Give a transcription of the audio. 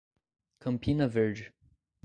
Campina Verde